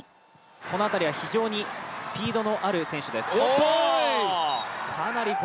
この辺りは非常にスピードのある選手です。